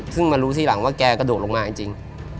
ซึ่งมารู้ทีหลังว่าแกกระโดดลงมาจริง